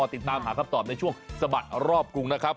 ติดตามหาคำตอบในช่วงสะบัดรอบกรุงนะครับ